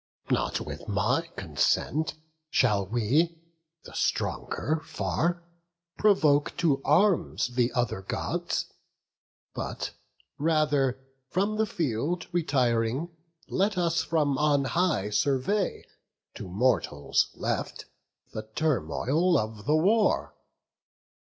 Not with my consent Shall we, the stronger far, provoke to arms The other Gods; but rather, from the field Retiring, let us from on high survey, To mortals left, the turmoil of the war.